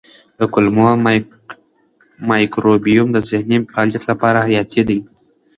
د کولمو مایکروبیوم د ذهني فعالیت لپاره حیاتي دی.